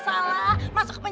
lo dapet apaan sih bang